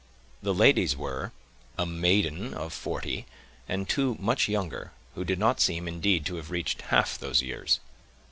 The ladies were, a maiden of forty, and two much younger, who did not seem, indeed, to have reached half those years.